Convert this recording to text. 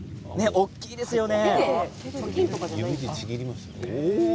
大きいですよね。